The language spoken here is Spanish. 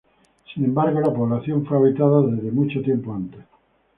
Sin embargo, la población fue habitada desde mucho tiempo antes.